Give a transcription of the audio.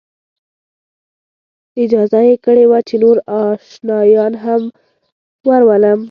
اجازه یې کړې وه چې نور آشنایان هم ورولم.